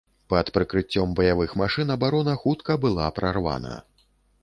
Пад прыкрыццём баявых машын абарона хутка была прарвана.